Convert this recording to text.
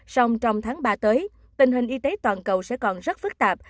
song trong tháng ba tới tình hình y tế toàn cầu sẽ còn rất phức tạp